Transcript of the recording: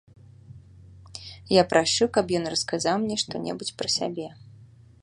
Я прашу, каб ён расказаў мне што-небудзь пра сябе.